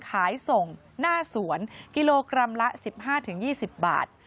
ขายส่งหน้าสวนกิโลกรัมละ๑๕๒๐บาท